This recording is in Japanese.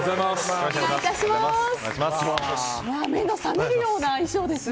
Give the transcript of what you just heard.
お願い致します。